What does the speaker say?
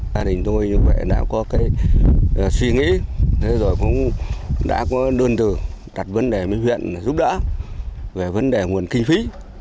tình tôi như vậy đã có suy nghĩ đã có đơn tử đặt vấn đề với huyện giúp đỡ về vấn đề nguồn kinh phí